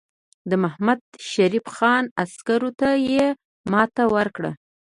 د محمدشریف خان عسکرو ته یې ماته ورکړه.